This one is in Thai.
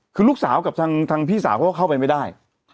คือลูกสาวกับทางพี่สาวเขาก็เข้าไปไม่ได้